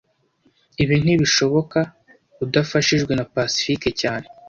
Ibi ntibishoboka udafashijwe na Pacifique cyane